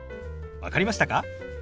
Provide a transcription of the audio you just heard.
分かりましたか？